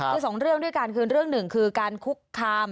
คือสองเรื่องด้วยกันคือเรื่องหนึ่งคือการคุกคาม